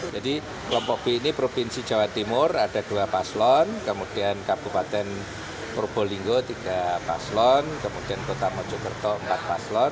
jadi kelompok b ini provinsi jawa timur ada dua paslon kemudian kabupaten purbolinggo tiga paslon kemudian kota mojokerto empat paslon